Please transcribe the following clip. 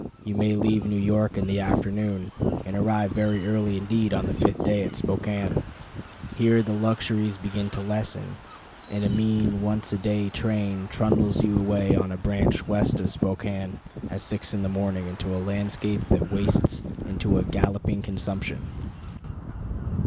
You may leave New York in the afternoon, and arrive very early indeed on the fifth day at Spokane. Here the luxuries begin to lessen, and a mean once a day train trundles you away on a branch west of Spokane at six in the morning into a landscape that wastes into a galloping consumption.